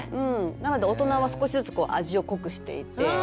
なので大人は少しずつ味を濃くしていて。